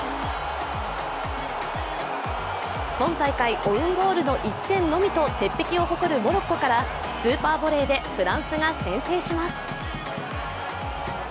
今大会オウンゴールの１点のみと鉄壁を誇るモロッコからスーパーボレーでフランスが先制します。